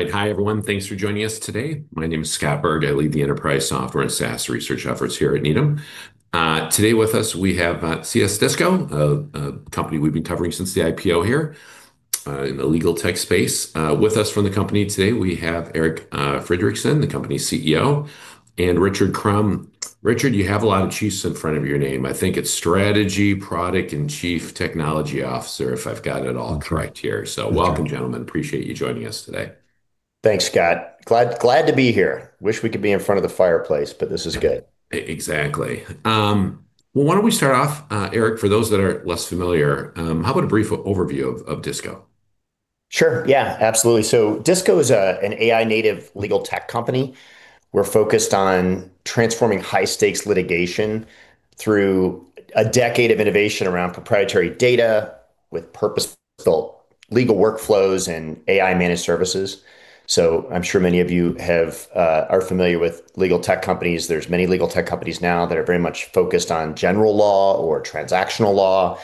All right. Hi, everyone. Thanks for joining us today. My name is Scott Berg. I lead the enterprise software and SaaS research efforts here at Needham. Today with us we have CS Disco, a company we've been covering since the IPO here in the legal tech space. With us from the company today, we have Eric Friedrichsen, the company's CEO, and Richard Crum. Richard, you have a lot of chiefs in front of your name. I think it's Chief Product, Technology and Strategy Officer, if I've got it all correct here. That's right. Welcome, gentlemen. Appreciate you joining us today. Thanks, Scott. Glad to be here. Wish we could be in front of the fireplace, but this is good. Exactly. Well, why don't we start off, Eric, for those that are less familiar, how about a brief overview of DISCO? Sure, yeah, absolutely. DISCO is an AI native legal tech company. We're focused on transforming high stakes litigation through a decade of innovation around proprietary data with purposeful legal workflows and AI managed services. I'm sure many of you are familiar with legal tech companies. There's many legal tech companies now that are very much focused on general law or transactional law.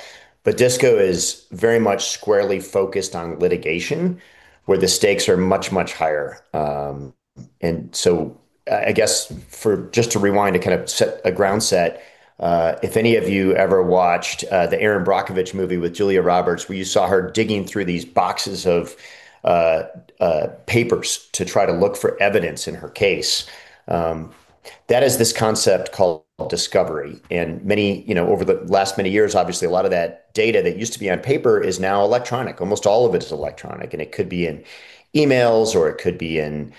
DISCO is very much squarely focused on litigation, where the stakes are much, much higher. I guess just to rewind to kind of set a ground set, if any of you ever watched the Erin Brockovich movie with Julia Roberts, where you saw her digging through these boxes of papers to try to look for evidence in her case, that is this concept called discovery. You know, over the last many years, obviously a lot of that data that used to be on paper is now electronic. Almost all of it is electronic, and it could be in emails, or it could be in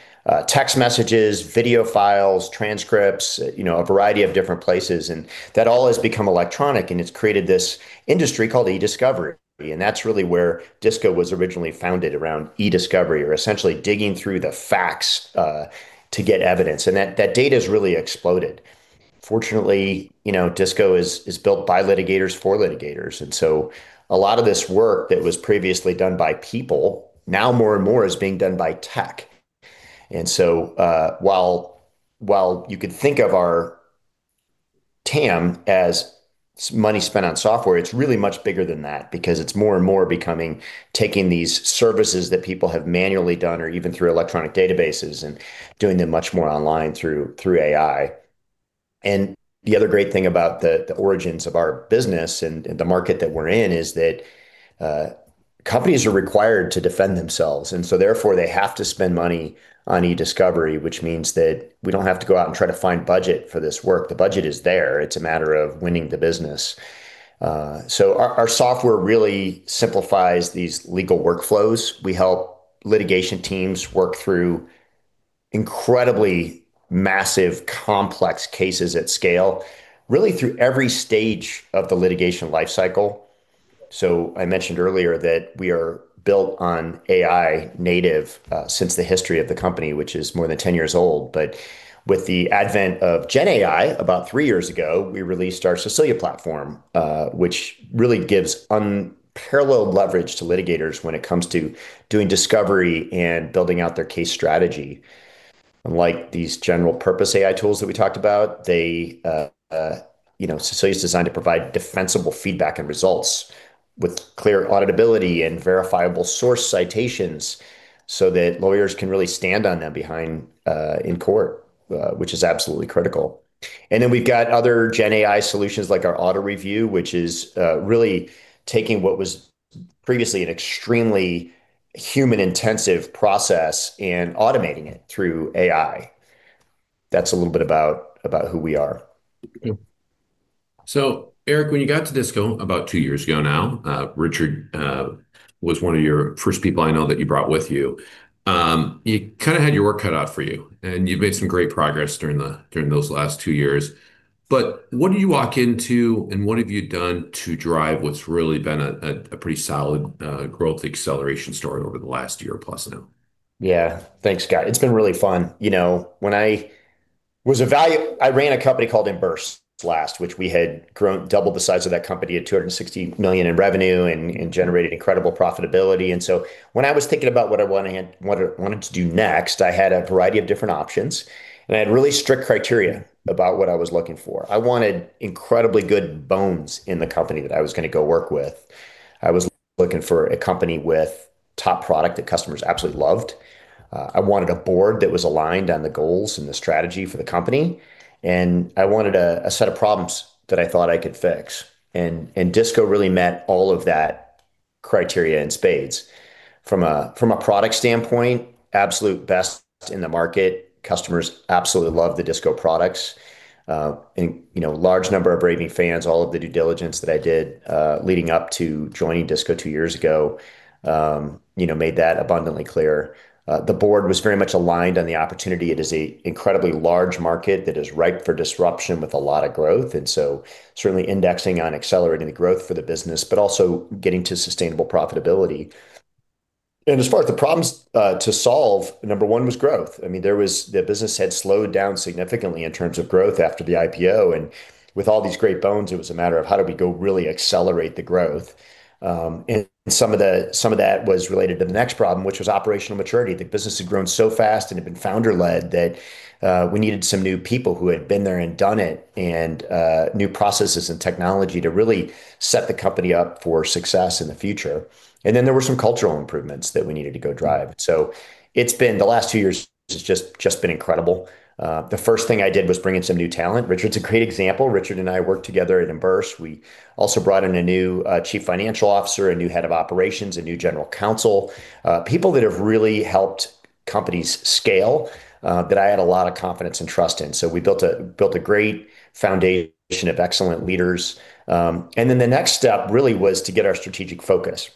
text messages, video files, transcripts, you know, a variety of different places. That all has become electronic, and it's created this industry called eDiscovery. That's really where DISCO was originally founded around eDiscovery or essentially digging through the facts to get evidence. That data has really exploded. Fortunately, you know, DISCO is built by litigators for litigators. A lot of this work that was previously done by people now more and more is being done by tech. While, while you could think of our TAM as money spent on software, it's really much bigger than that because it's more and more becoming taking these services that people have manually done or even through electronic databases and doing them much more online through AI. The other great thing about the origins of our business and the market that we're in is that companies are required to defend themselves, and so therefore, they have to spend money on eDiscovery, which means that we don't have to go out and try to find budget for this work. The budget is there. It's a matter of winning the business. Our, software really simplifies these legal workflows. We help litigation teams work through incredibly massive, complex cases at scale, really through every stage of the litigation life cycle. I mentioned earlier that we are built on AI native since the history of the company, which is more than 10 years old. With the advent of Gen AI about three years ago, we released our Cecilia platform, which really gives unparalleled leverage to litigators when it comes to doing discovery and building out their case strategy. Unlike these general purpose AI tools that we talked about, they, you know, Cecilia is designed to provide defensible feedback and results with clear auditability and verifiable source citations so that lawyers can really stand on them behind in court, which is absolutely critical. We've got other Gen AI solutions like our Auto Review, which is really taking what was previously an extremely human intensive process and automating it through AI. That's a little bit about who we are. Eric, when you got to DISCO about two years ago now, Richard was one of your first people I know that you brought with you. You kinda had your work cut out for you, and you've made some great progress during the, during those last two years. What did you walk into, and what have you done to drive what's really been a, a pretty solid growth acceleration story over the last year plus now? Yeah. Thanks, Scott. It's been really fun. You know, I ran a company called Emburse last, which we had grown double the size of that company at $260 million in revenue and generated incredible profitability. When I was thinking about what I wanted to do next, I had a variety of different options, and I had really strict criteria about what I was looking for. I wanted incredibly good bones in the company that I was gonna go work with. I was looking for a company with top product that customers absolutely loved. I wanted a board that was aligned on the goals and the strategy for the company, and I wanted a set of problems that I thought I could fix. DISCO really met all of that criteria in spades. From a product standpoint, absolute best in the market. Customers absolutely love the DISCO products. You know, large number of raving fans, all of the due diligence that I did leading up to joining DISCO two years ago, you know, made that abundantly clear. The board was very much aligned on the opportunity. It is a incredibly large market that is ripe for disruption with a lot of growth, certainly indexing on accelerating the growth for the business, but also getting to sustainable profitability. As far as the problems to solve, number one was growth. I mean, the business had slowed down significantly in terms of growth after the IPO. With all these great bones, it was a matter of how do we go really accelerate the growth. Some of that was related to the next problem, which was operational maturity. The business had grown so fast and had been founder-led that we needed some new people who had been there and done it and new processes and technology to really set the company up for success in the future. There were some cultural improvements that we needed to go drive. The last two years has just been incredible. The first thing I did was bring in some new talent. Richard's a great example. Richard and I worked together at Emburse. We also brought in a new Chief Financial Officer, a new Head of Operations, a new General Counsel, people that have really helped companies scale that I had a lot of confidence and trust in. We built a great foundation of excellent leaders. The next step really was to get our strategic focus.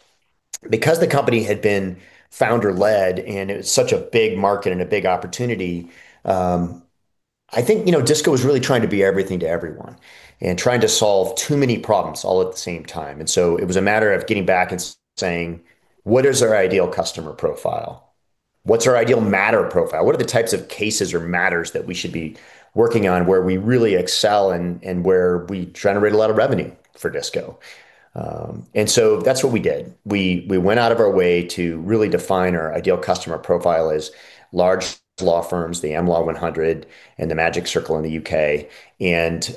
Because the company had been founder-led, and it was such a big market and a big opportunity, I think, you know, DISCO was really trying to be everything to everyone and trying to solve too many problems all at the same time. It was a matter of getting back and saying, "What is our ideal customer profile? What's our ideal matter profile? What are the types of cases or matters that we should be working on, where we really excel and where we generate a lot of revenue for DISCO?" That's what we did. We went out of our way to really define our ideal customer profile as large law firms, the Am Law 100, and the Magic Circle in the U.K., and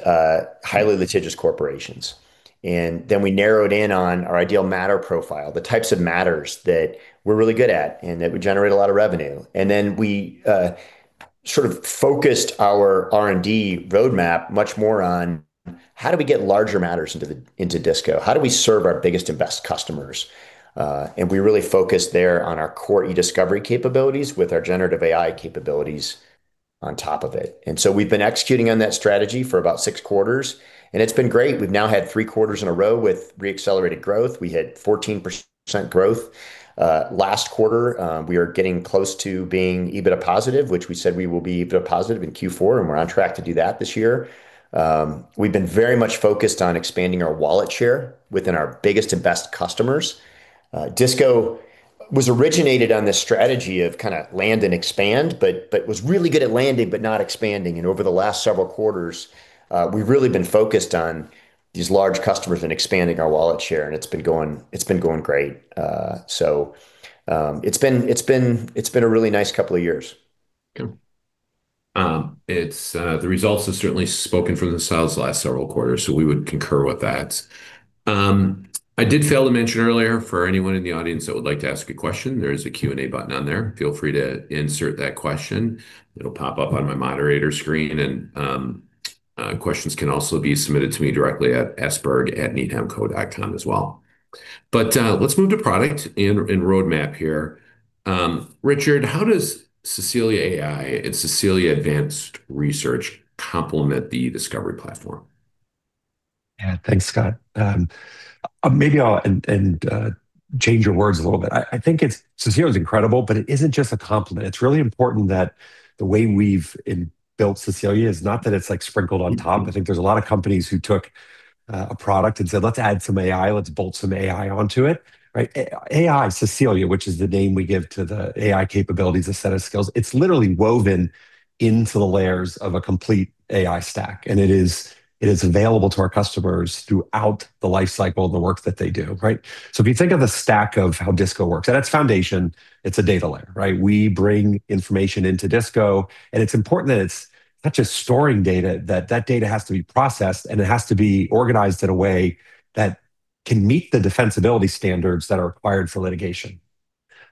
highly litigious corporations. Then we narrowed in on our ideal matter profile, the types of matters that we're really good at, and that would generate a lot of revenue. Then we sort of focused our R&D roadmap much more on, how do we get larger matters into DISCO? How do we serve our biggest and best customers? And we really focused there on our core eDiscovery capabilities with our generative AI capabilities on top of it. So we've been executing on that strategy for about six quarters, and it's been great. We've now had three quarters in a row with re-accelerated growth. We had 14% growth last quarter. We are getting close to being EBITDA positive, which we said we will be EBITDA positive in Q4, we're on track to do that this year. We've been very much focused on expanding our wallet share within our biggest and best customers. DISCO was originated on this strategy of kinda land and expand, but was really good at landing, but not expanding. Over the last several quarters, we've really been focused on these large customers and expanding our wallet share, it's been going great. It's been a really nice couple of years. Yeah. It's the results have certainly spoken from the sales the last several quarters, we would concur with that. I did fail to mention earlier, for anyone in the audience that would like to ask a question, there is a Q&A button on there. Feel free to insert that question. It'll pop up on my moderator screen, questions can also be submitted to me directly at sberg@needhamco.com as well. Let's move to product and roadmap here. Richard, how does Cecilia AI and Cecilia Advanced Research complement the discovery platform? Yeah. Thanks, Scott. Maybe I'll change your words a little bit. I think it's, Cecilia is incredible, but it isn't just a complement. It's really important that the way we've built Cecilia is not that it's like sprinkled on top. I think there's a lot of companies who took a product and said, "Let's add some AI. Let's bolt some AI onto it." Right? AI Cecilia, which is the name we give to the AI capabilities, the set of skills, it's literally woven into the layers of a complete AI stack, and it is available to our customers throughout the life cycle of the work that they do, right? If you think of a stack of how DISCO works, at its foundation, it's a data layer, right? We bring information into DISCO, and it's important that it's not just storing data, that that data has to be processed, and it has to be organized in a way that can meet the defensibility standards that are required for litigation.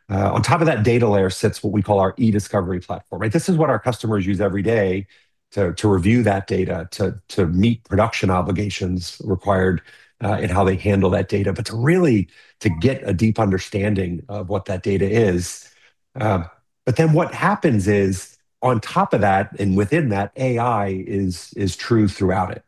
On top of that data layer sits what we call our eDiscovery platform. This is what our customers use every day to review that data to meet production obligations required in how they handle that data. To really to get a deep understanding of what that data is. What happens is, on top of that and within that, AI is true throughout it.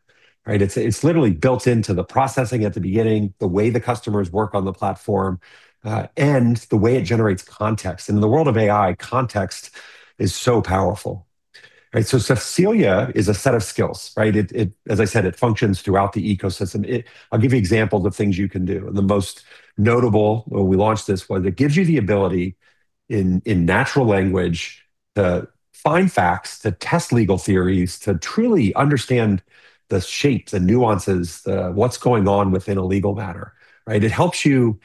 It's, it's literally built into the processing at the beginning, the way the customers work on the platform, and the way it generates context. In the world of AI, context is so powerful, right? Cecilia is a set of skills, right? It, as I said, it functions throughout the ecosystem. I'll give you examples of things you can do. The most notable when we launched this was it gives you the ability in natural language to find facts, to test legal theories, to truly understand the shapes and nuances, what's going on within a legal matter, right? It helps you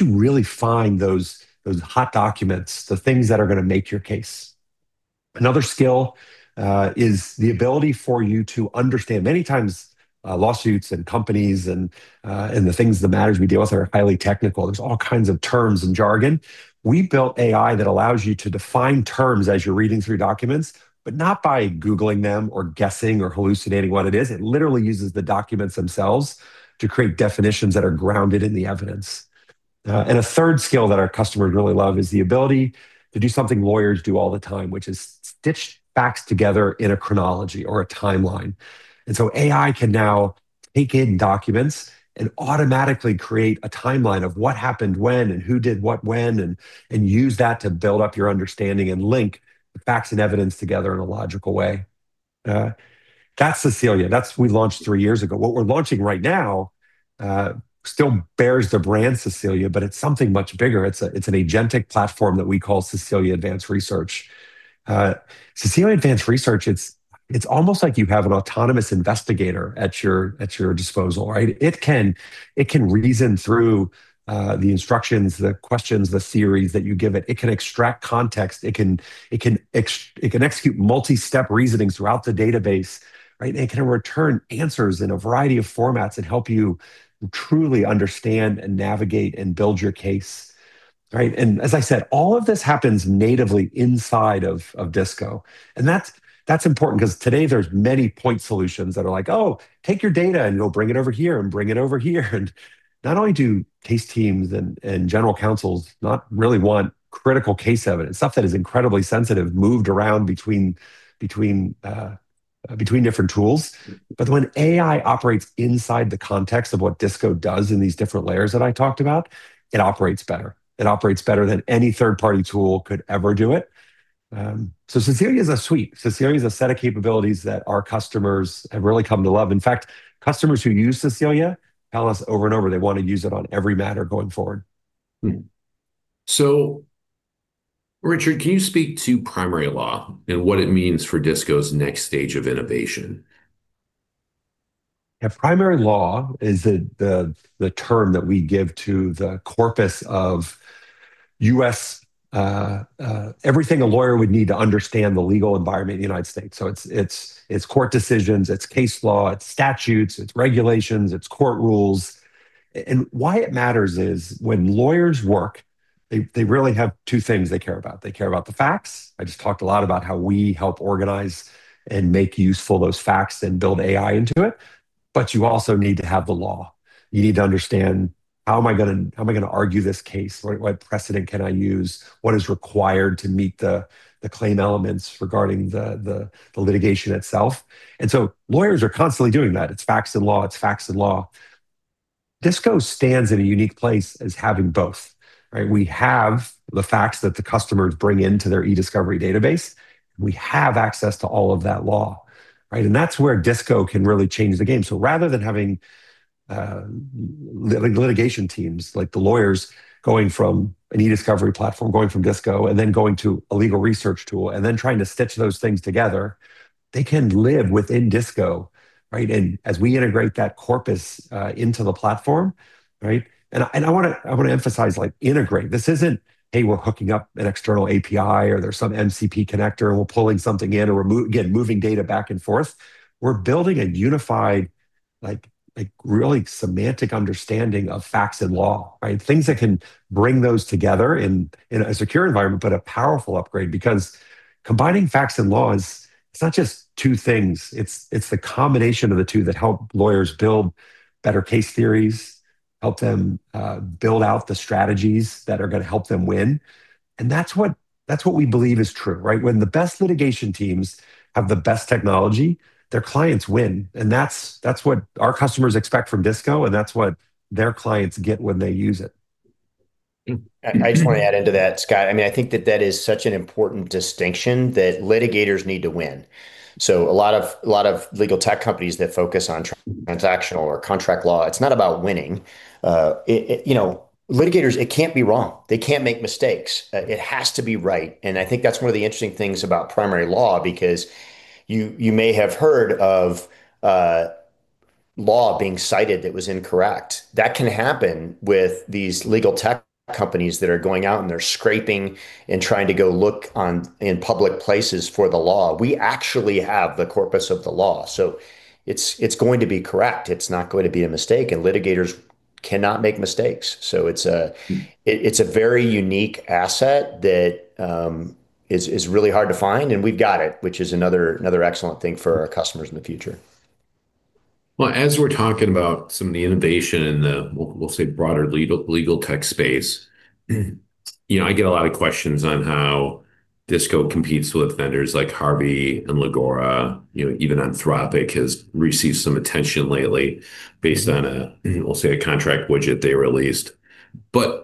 really find those hot documents, things that are gonna make your case. Another skill is the ability for you to understand. Many times, lawsuits and companies and the things, the matters we deal with are highly technical. There's all kinds of terms and jargon. We built AI that allows you to define terms as you're reading through documents, but not by googling them or guessing or hallucinating what it is. It literally uses the documents themselves to create definitions that are grounded in the evidence. A third skill that our customers really love is the ability to do something lawyers do all the time, which is stitch facts together in a chronology or a timeline. AI can now take in documents and automatically create a timeline of what happened when and who did what when and use that to build up your understanding and link the facts and evidence together in a logical way. That's Cecilia. That's we launched three years ago. What we're launching right now, still bears the brand Cecilia, but it's something much bigger. It's an agentic platform that we call Cecilia Advanced Research. Cecilia Advanced Research, it's almost like you have an autonomous investigator at your disposal, right? It can reason through the instructions, the questions, the theories that you give it. It can extract context. It can execute multi-step reasonings throughout the database, right? It can return answers in a variety of formats and help you truly understand and navigate and build your case, right? As I said, all of this happens natively inside of DISCO. That's important 'cause today there's many point solutions that are like, "Oh, take your data, and you'll bring it over here and bring it over here." Not only do case teams and general counsels not really want critical case evidence, stuff that is incredibly sensitive, moved around between different tools. When AI operates inside the context of what DISCO does in these different layers that I talked about, it operates better. It operates better than any third-party tool could ever do it. Cecilia is a suite. Cecilia is a set of capabilities that our customers have really come to love. In fact, customers who use Cecilia tell us over and over they wanna use it on every matter going forward. Richard, can you speak to primary law and what it means for DISCO's next stage of innovation? Yeah. Primary law is the term that we give to the corpus of U.S., everything a lawyer would need to understand the legal environment in the United States. It's court decisions, it's case law, it's statutes, it's regulations, it's court rules. Why it matters is when lawyers work, they really have two things they care about. They care about the facts. I just talked a lot about how we help organize and make useful those facts and build AI into it, but you also need to have the law. You need to understand, how am I gonna argue this case? What precedent can I use? What is required to meet the claim elements regarding the litigation itself? Lawyers are constantly doing that. It's facts and law. It's facts and law. DISCO stands in a unique place as having both, right? We have the facts that the customers bring into their eDiscovery database. We have access to all of that law, right? That's where DISCO can really change the game. Rather than having, like litigation teams, like the lawyers going from an eDiscovery platform, going from DISCO, and then going to a legal research tool, and then trying to stitch those things together, they can live within DISCO, right? As we integrate that corpus, into the platform, right? I, and I wanna, I wanna emphasize, like integrate. This isn't, "Hey, we're hooking up an external API," or, "There's some MCP connector, and we're pulling something in," or we're again, moving data back and forth. We're building a unified, like really semantic understanding of facts and law, right? Things that can bring those together in a secure environment, but a powerful upgrade. Because combining facts and law, it's not just two things. It's the combination of the two that help lawyers build better case theories, help them build out the strategies that are gonna help them win, and that's what we believe is true, right? When the best litigation teams have the best technology, their clients win, and that's what our customers expect from DISCO, and that's what their clients get when they use it. I just wanna add into that, Scott. I mean, I think that that is such an important distinction that litigators need to win. A lot of legal tech companies that focus on transactional or contract law, it's not about winning. You know, litigators, it can't be wrong. They can't make mistakes. It has to be right, and I think that's one of the interesting things about primary law. You may have heard of law being cited that was incorrect. That can happen with these legal tech companies that are going out, and they're scraping and trying to go look on, in public places for the law. We actually have the corpus of the law, so it's going to be correct. It's not going to be a mistake, and litigators cannot make mistakes. It's a very unique asset that is really hard to find, and we've got it, which is another excellent thing for our customers in the future. Well, as we're talking about some of the innovation in the, we'll say, broader legal tech space, you know, I get a lot of questions on how DISCO competes with vendors like Harvey and Lagora. You know, even Anthropic has received some attention lately based on a, we'll say, a contract widget they released.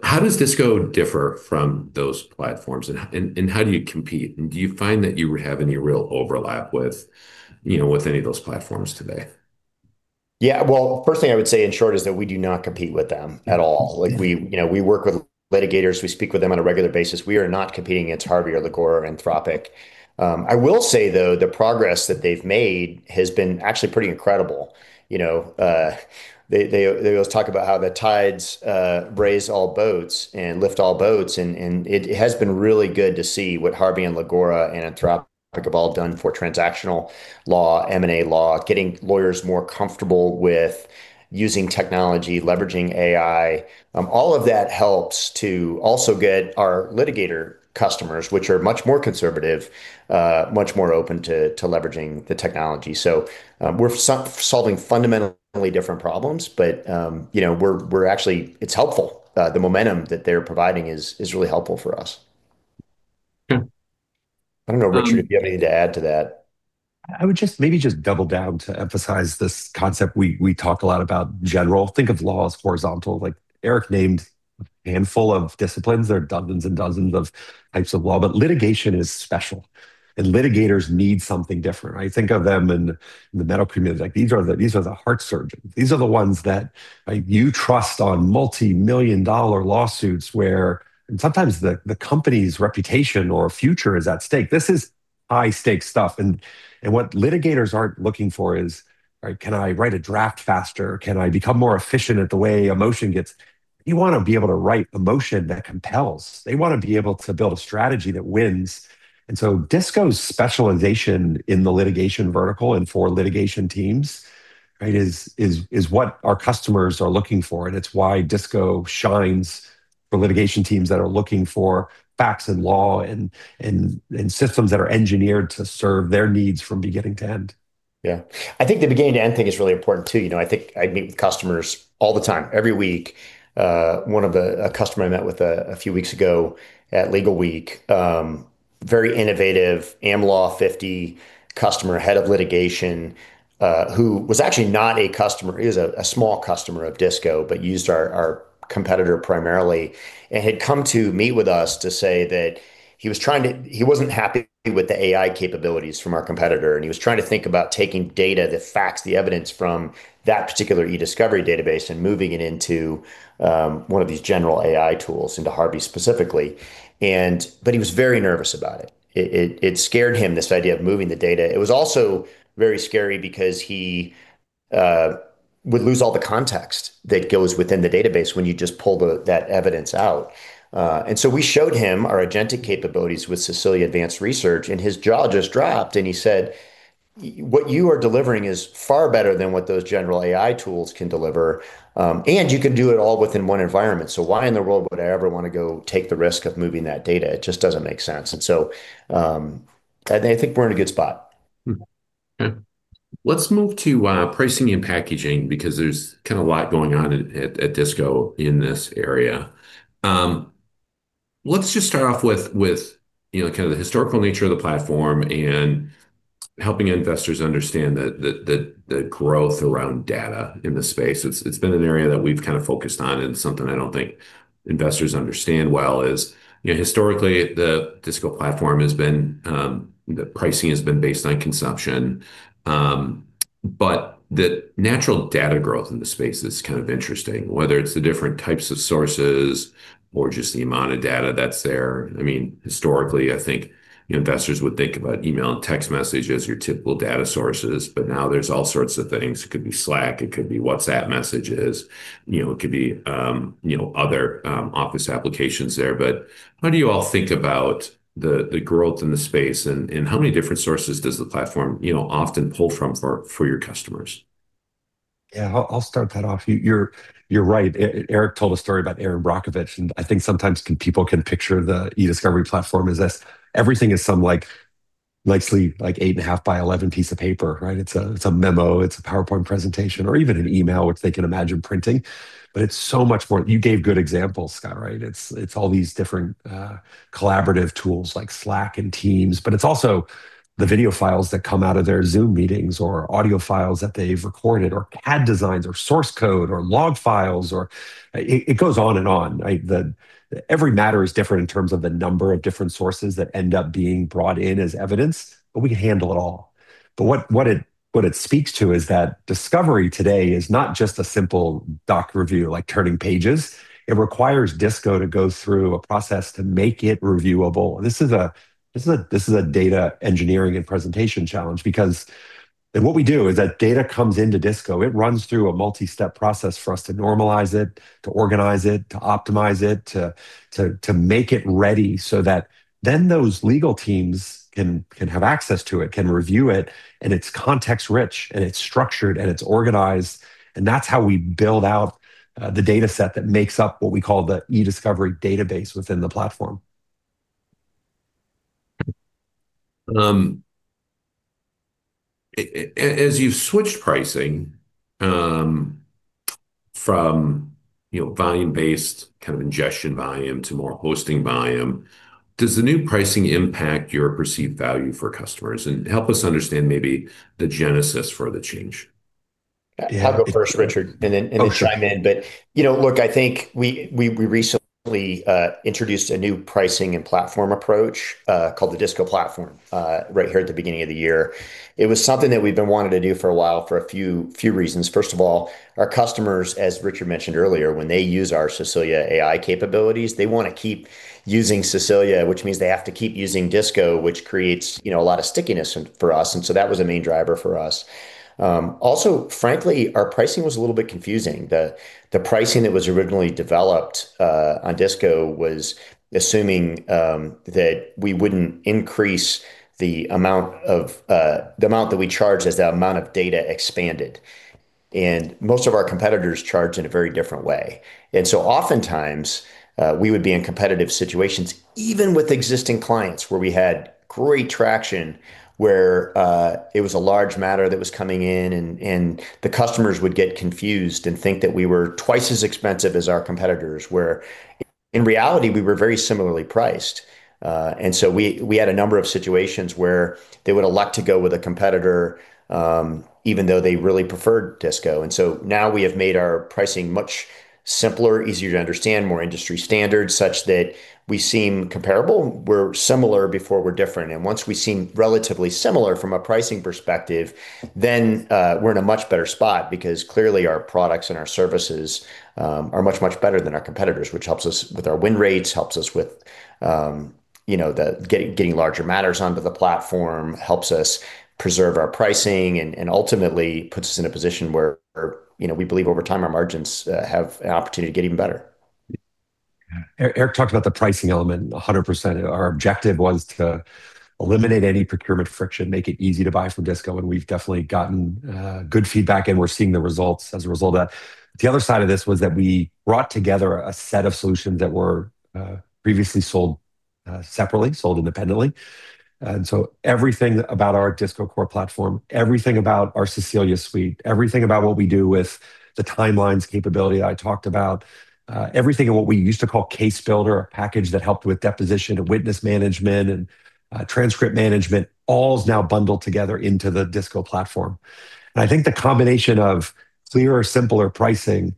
How does DISCO differ from those platforms, and how do you compete? Do you find that you have any real overlap with, you know, with any of those platforms today? Yeah. Well, first thing I would say, in short, is that we do not compete with them at all. Like we, you know, we work with litigators. We speak with them on a regular basis. We are not competing against Harvey or Lagora or Anthropic. I will say, though, the progress that they've made has been actually pretty incredible. You know, they always talk about how the tides raise all boats and lift all boats and it has been really good to see what Harvey and Lagora and Anthropic have all done for transactional law, M&A law, getting lawyers more comfortable with using technology, leveraging AI. All of that helps to also get our litigator customers, which are much more conservative, much more open to leveraging the technology. We're solving fundamentally different problems, but, you know, we're actually. It's helpful. The momentum that they're providing is really helpful for us. I don't know, Richard, if you have anything to add to that. I would just maybe just double down to emphasize this concept we talked a lot about general. Think of law as horizontal. Like Eric named a handful of disciplines. There are dozens and dozens of types of law, but litigation is special, and litigators need something different. I think of them in the medical community. Like these are the, these are the heart surgeons. These are the ones that, like you trust on multi-million dollar lawsuits where sometimes the company's reputation or future is at stake. This is high-stakes stuff. What litigators aren't looking for is, right, can I write a draft faster? Can I become more efficient at the way a motion gets. You wanna be able to write a motion that compels. They wanna be able to build a strategy that wins. DISCO's specialization in the litigation vertical and for litigation teams, right, is what our customers are looking for, and it's why DISCO shines for litigation teams that are looking for facts and law and systems that are engineered to serve their needs from beginning to end. Yeah. I think the beginning to end thing is really important, too. You know, I think I meet with customers all the time, every week. one of the A customer I met with a few weeks ago at Legalweek, Very innovative, Am Law 50 customer head of litigation, who was actually not a customer. He was a small customer of DISCO, but used our competitor primarily, and had come to meet with us to say that he was trying to he wasn't happy with the AI capabilities from our competitor, and he was trying to think about taking data, the facts, the evidence from that particular eDiscovery database and moving it into one of these general AI tools, into Harvey specifically. He was very nervous about it. It scared him, this idea of moving the data. It was also very scary because he would lose all the context that goes within the database when you just pull that evidence out. We showed him our agentic capabilities with Cecilia Advanced Research, and his jaw just dropped. He said, "What you are delivering is far better than what those general AI tools can deliver." You can do it all within one environment, so why in the world would I ever wanna go take the risk of moving that data? It just doesn't make sense. I think we're in a good spot. Let's move to pricing and packaging because there's kind of a lot going on at DISCO in this area. Let's just start off with, you know, kind of the historical nature of the platform and helping investors understand the growth around data in this space. It's been an area that we've kind of focused on, and something I don't think investors understand well is, you know, historically, the DISCO Platform has been, the pricing has been based on consumption. The natural data growth in the space is kind of interesting, whether it's the different types of sources or just the amount of data that's there. I mean, historically, I think investors would think about email and text messages as your typical data sources, but now there's all sorts of things. It could be Slack. It could be WhatsApp messages. You know, it could be, you know, other, office applications there. How do you all think about the growth in the space, and how many different sources does the platform, you know, often pull from for your customers? Yeah. I'll start that off. You're right. Eric told a story about Erin Brockovich, and I think sometimes people can picture the eDiscovery platform as this. Everything is some, like, likely, like, 8.5 by 11 piece of paper, right? It's a memo. It's a PowerPoint presentation or even an email, which they can imagine printing. It's so much more. You gave good examples, Scott, right? It's all these different collaborative tools like Slack and Teams, but it's also the video files that come out of their Zoom meetings or audio files that they've recorded or CAD designs or source code or log files or It goes on and on. Every matter is different in terms of the number of different sources that end up being brought in as evidence, but we can handle it all. What it speaks to is that discovery today is not just a simple doc review, like turning pages. It requires DISCO to go through a process to make it reviewable. This is a data engineering and presentation challenge because what we do is that data comes into DISCO. It runs through a multi-step process for us to normalize it, to organize it, to optimize it, to make it ready so that then those legal teams can have access to it, can review it, and it's context rich, and it's structured, and it's organized. That's how we build out the dataset that makes up what we call the eDiscovery database within the DISCO Platform. As you've switched pricing, from, you know, volume-based kind of ingestion volume to more hosting volume, does the new pricing impact your perceived value for customers? Help us understand maybe the genesis for the change. I'll go first, Richard. Yeah. Then chime in. Oh, sure. You know, look, I think we recently introduced a new pricing and platform approach called the DISCO Platform right here at the beginning of the year. It was something that we've been wanting to do for a while for a few reasons. First of all, our customers, as Richard mentioned earlier, when they use our Cecilia AI capabilities, they wanna keep using Cecilia, which means they have to keep using DISCO, which creates, you know, a lot of stickiness for us. That was a main driver for us. Also, frankly, our pricing was a little bit confusing. The pricing that was originally developed on DISCO was assuming that we wouldn't increase the amount of the amount that we charge as the amount of data expanded. Most of our competitors charge in a very different way. Oftentimes, we would be in competitive situations, even with existing clients where we had great traction, where it was a large matter that was coming in and the customers would get confused and think that we were twice as expensive as our competitors, where in reality, we were very similarly priced. We had a number of situations where they would elect to go with a competitor, even though they really preferred DISCO. Now we have made our pricing much simpler, easier to understand, more industry standard, such that we seem comparable. We're similar before we're different. Once we seem relatively similar from a pricing perspective, we're in a much better spot because clearly our products and our services are much, much better than our competitors, which helps us with our win rates, helps us with, you know, the getting larger matters onto the platform, helps us preserve our pricing and ultimately puts us in a position where, you know, we believe over time our margins have an opportunity to get even better. Yeah. Eric talked about the pricing element 100%. Our objective was to eliminate any procurement friction, make it easy to buy from DISCO, and we've definitely gotten good feedback, and we're seeing the results as a result of that. The other side of this was that we brought together a set of solutions that were previously sold separately, sold independently. Everything about our DISCO Core platform, everything about our Cecilia suite, everything about what we do with the timelines capability I talked about, everything in what we used to call DISCO Case Builder, a package that helped with deposition and witness management and transcript management, all is now bundled together into the DISCO Platform. I think the combination of clearer, simpler pricing,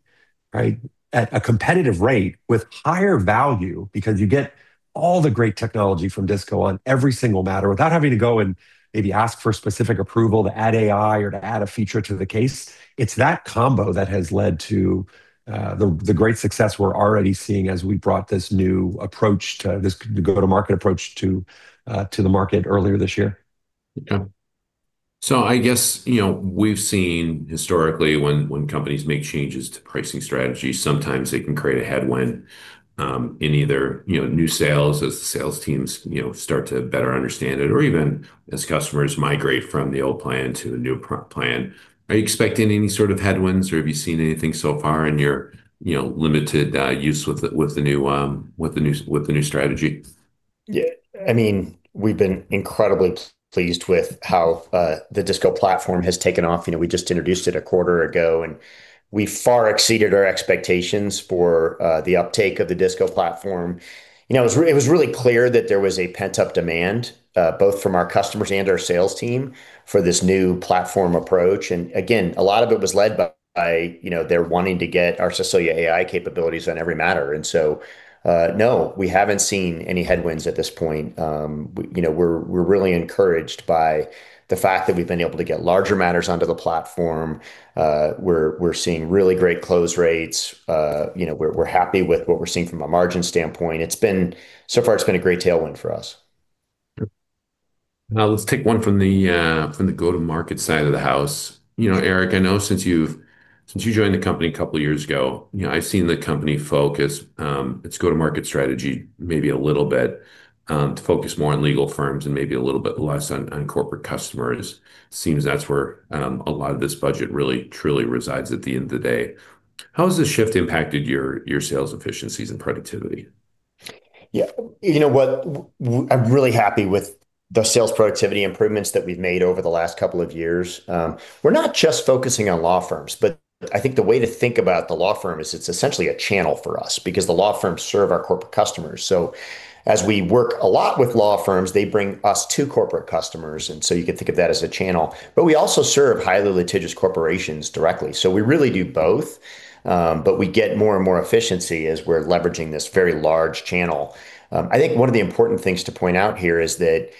right, at a competitive rate with higher value because you get all the great technology from DISCO on every single matter without having to go and maybe ask for specific approval to add AI or to add a feature to the case. It's that combo that has led to the great success we're already seeing as we brought this new approach to this go-to-market approach to the market earlier this year. Yeah. I guess, you know, we've seen historically when companies make changes to pricing strategies, sometimes they can create a headwind, in either, you know, new sales as the sales teams, you know, start to better understand it, or even as customers migrate from the old plan to the new plan. Are you expecting any sort of headwinds, or have you seen anything so far in your, you know, limited use with the new strategy? Yeah. I mean, we've been incredibly pleased with how the DISCO Platform has taken off. We just introduced it a quarter ago, we far exceeded our expectations for the uptake of the DISCO Platform. You know, it was really clear that there was a pent-up demand both from our customers and our sales team for this new platform approach. Again, a lot of it was led by, you know, their wanting to get our Cecilia AI capabilities on every matter. No, we haven't seen any headwinds at this point. You know, we're really encouraged by the fact that we've been able to get larger matters onto the platform. We're seeing really great close rates. You know, we're happy with what we're seeing from a margin standpoint. So far it's been a great tailwind for us. Now let's take one from the from the go-to-market side of the house. You know, Eric, I know since you joined the company a couple of years ago, you know, I've seen the company focus its go-to-market strategy maybe a little bit to focus more on legal firms and maybe a little bit less on corporate customers. Seems that's where a lot of this budget really truly resides at the end of the day. How has the shift impacted your sales efficiencies and productivity? Yeah. You know what? I'm really happy with the sales productivity improvements that we've made over the last couple of years. We're not just focusing on law firms, but I think the way to think about the law firm is it's essentially a channel for us because the law firms serve our corporate customers. As we work a lot with law firms, they bring us to corporate customers, you can think of that as a channel. We also serve highly litigious corporations directly. We really do both, we get more and more efficiency as we're leveraging this very large channel. I think one of the important things to point out here is that,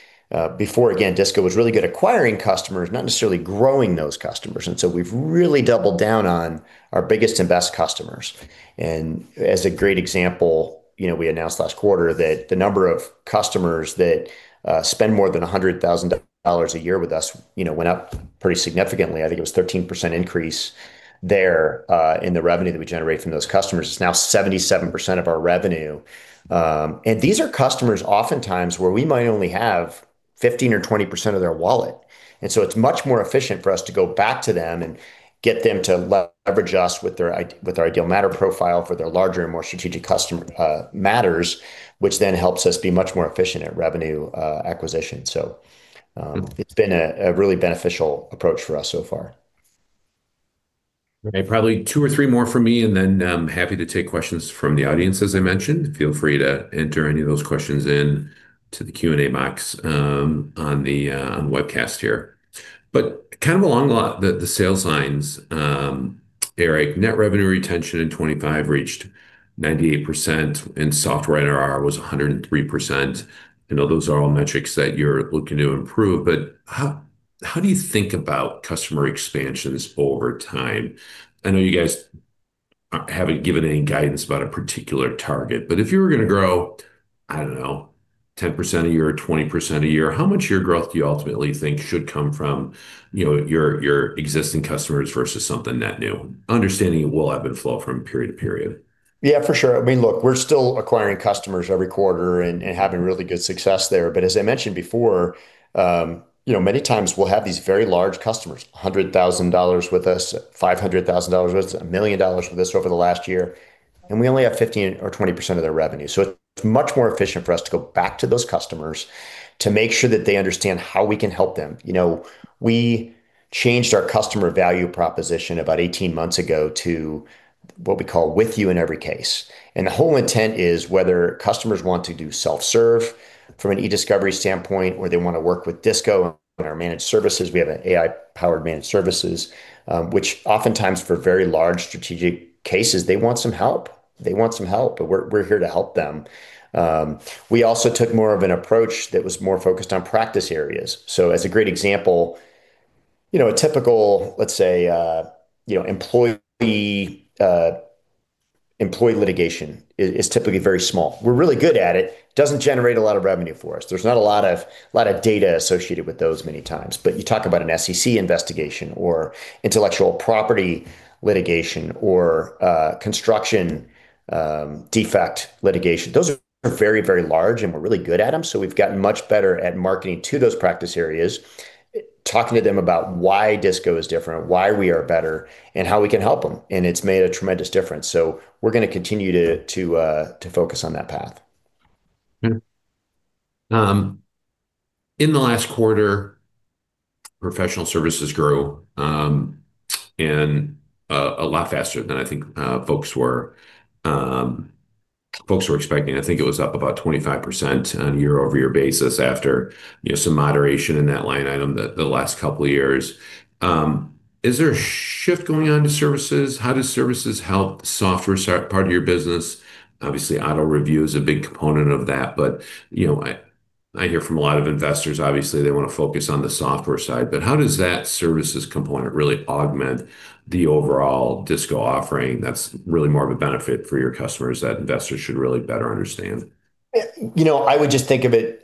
before, again, DISCO was really good acquiring customers, not necessarily growing those customers. We've really doubled down on our biggest and best customers. As a great example, you know, we announced last quarter that the number of customers that spend more than $100,000 a year with us, you know, went up pretty significantly. I think it was a 13% increase there in the revenue that we generate from those customers. It's now 77% of our revenue. These are customers oftentimes where we might only have 15% or 20% of their wallet. It's much more efficient for us to go back to them and get them to leverage us with their with our ideal matter profile for their larger and more strategic customer matters, which then helps us be much more efficient at revenue acquisition. It's been a really beneficial approach for us so far. Okay. Probably two or three more from me, then I am happy to take questions from the audience, as I mentioned. Feel free to enter any of those questions into the Q&A box on the webcast here. Kind of along the sales lines, Eric, net revenue retention in 2025 reached 98% and software NRR was 103%. I know those are all metrics that you are looking to improve, how do you think about customer expansions over time? I know you guys haven't given any guidance about a particular target, if you were gonna grow, I don't know, 10% a year or 20% a year, how much of your growth do you ultimately think should come from, you know, your existing customers versus something net new? Understanding it will ebb and flow from period to period. Yeah, for sure. I mean, look, we're still acquiring customers every quarter and having really good success there. As I mentioned before, you know, many times we'll have these very large customers, $100,000 with us, $500,000 with us, $1 million with us over the last year, and we only have 15% or 20% of their revenue. It's much more efficient for us to go back to those customers to make sure that they understand how we can help them. You know, we changed our customer value proposition about 18 months ago to what we call With You in Every Case. The whole intent is whether customers want to do self-serve from an eDiscovery standpoint, or they wanna work with DISCO in our managed services. We have an AI-powered managed services, which oftentimes for very large strategic cases, they want some help. They want some help, we're here to help them. We also took more of an approach that was more focused on practice areas. As a great example, you know, a typical, let's say, you know, employee litigation is typically very small. We're really good at it. Doesn't generate a lot of revenue for us. There's not a lot of data associated with those many times. You talk about an SEC investigation or intellectual property litigation or construction defect litigation, those are very large, we're really good at them. We've gotten much better at marketing to those practice areas, talking to them about why DISCO is different, why we are better, how we can help them, it's made a tremendous difference. We're gonna continue to focus on that path. In the last quarter Professional services grew a lot faster than I think folks were expecting. I think it was up about 25% on a year-over-year basis after, you know, some moderation in that line item the last couple of years. Is there a shift going on to services? How does services help software part of your business? Obviously, Auto Review is a big component of that, but, you know, I hear from a lot of investors, obviously, they wanna focus on the software side. How does that services component really augment the overall DISCO offering that's really more of a benefit for your customers that investors should really better understand? You know, I would just think of it,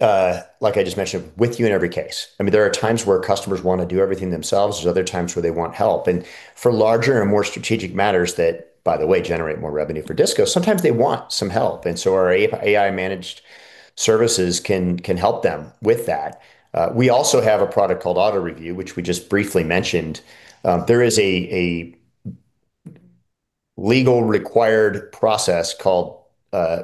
like I just mentioned, With You in Every Case. I mean, there are times where customers wanna do everything themselves. There's other times where they want help. For larger and more strategic matters that, by the way, generate more revenue for DISCO, sometimes they want some help. Our AI-managed services can help them with that. We also have a product called Auto Review, which we just briefly mentioned. There is a legal required process called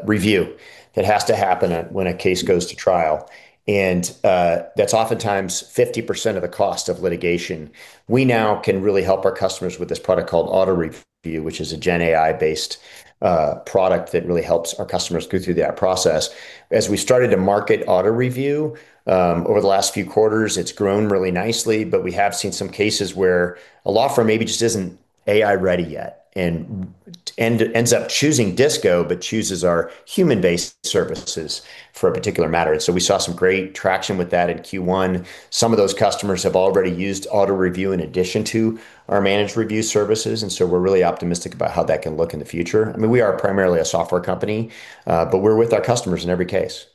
review that has to happen when a case goes to trial. That's oftentimes 50% of the cost of litigation. We now can really help our customers with this product called Auto Review, which is a Gen AI-based product that really helps our customers go through that process. As we started to market Auto Review, over the last few quarters, it's grown really nicely, but we have seen some cases where a law firm maybe just isn't AI ready yet and ends up choosing DISCO, but chooses our human-based services for a particular matter. We saw some great traction with that in Q1. Some of those customers have already used Auto Review in addition to our managed review services, we're really optimistic about how that can look in the future. I mean, we are primarily a software company, but we're with our customers in every case.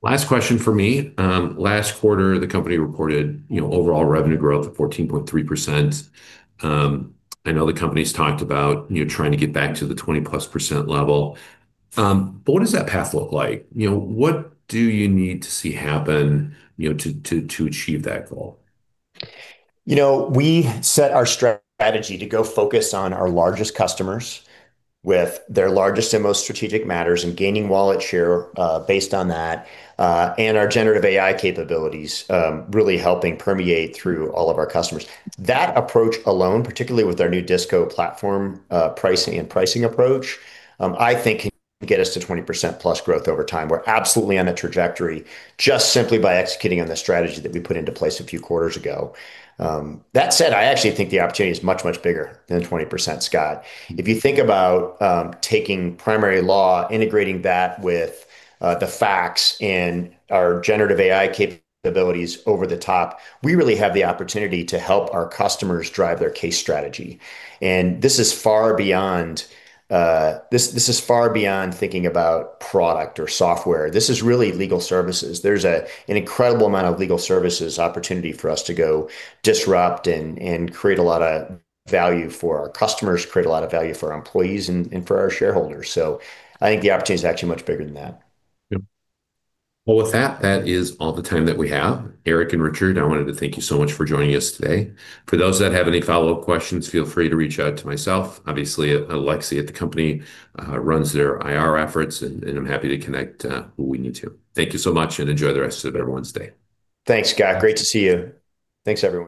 Last question for me. Last quarter, the company reported, you know, overall revenue growth of 14.3%. I know the company's talked about, you know, trying to get back to the 20+% level. What does that path look like? You know, what do you need to see happen, you know, to achieve that goal? You know, we set our strategy to go focus on our largest customers with their largest and most strategic matters and gaining wallet share based on that and our generative AI capabilities really helping permeate through all of our customers. That approach alone, particularly with our new DISCO Platform pricing and pricing approach, I think can get us to 20% plus growth over time. We're absolutely on that trajectory just simply by executing on the strategy that we put into place a few quarters ago. That said, I actually think the opportunity is much, much bigger than 20%, Scott. If you think about taking primary law, integrating that with the facts and our generative AI capabilities over the top, we really have the opportunity to help our customers drive their case strategy. This is far beyond, this is far beyond thinking about product or software. This is really legal services. There's an incredible amount of legal services opportunity for us to go disrupt and create a lot of value for our customers, create a lot of value for our employees and for our shareholders. I think the opportunity is actually much bigger than that. Well, with that is all the time that we have. Eric and Richard, I wanted to thank you so much for joining us today. For those that have any follow-up questions, feel free to reach out to myself. Obviously, Aleksey Lakchakov at the company runs their IR efforts, and I'm happy to connect who we need to. Thank you so much. Enjoy the rest of everyone's day. Thanks, Scott. Great to see you. Thanks, everyone.